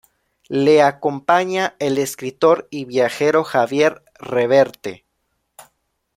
Le acompaña el escritor y viajero Javier Reverte.